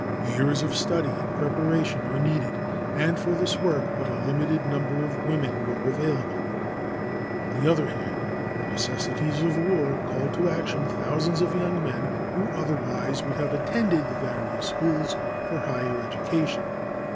Years of study and preparation are needed, and for this work but a limited number of women were available. On the other hand, the necessities of war called to action thousands of young men who otherwise would have attended the various schools for higher education.